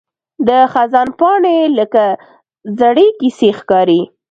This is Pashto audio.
د خزان پاڼې لکه زړې کیسې ښکاري